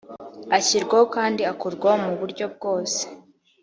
ashyirwaho kandi akurwaho mu buryo bwose